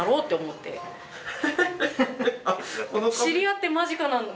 知り合って間近なのに。